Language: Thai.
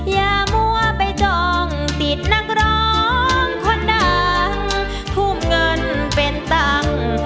อย่ามั่วไปจองติดนักร้องคนดังทุ่มเงินเป็นตังค์